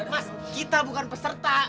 mas kita bukan peserta